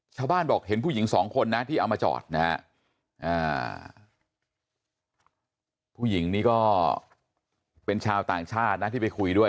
ชาวบ้านบอกเห็นผู้หญิงสองคนนะที่เอามาจอดนะฮะผู้หญิงนี้ก็เป็นชาวต่างชาตินะที่ไปคุยด้วย